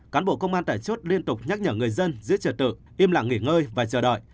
cán bộ công an tải chốt liên tục nhắc nhở người dân giữa trời tự im lặng nghỉ ngơi và chờ đợi